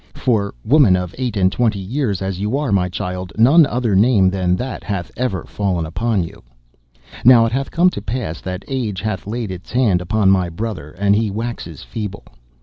for, woman of eight and twenty years as you are, my child, none other name than that hath ever fallen to you! "Now it hath come to pass that age hath laid its hand upon my brother, and he waxes feeble.